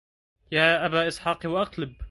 يا أبا إسحاق واقلب